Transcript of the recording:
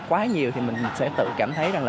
quá nhiều thì mình sẽ tự cảm thấy rằng là